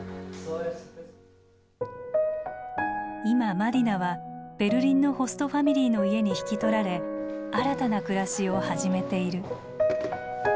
今マディナはベルリンのホストファミリーの家に引き取られ新たな暮らしを始めている。